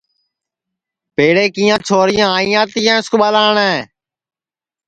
پیڑے کیاں چھوریاں آیا تیا اُس کُو ٻلاٹؔے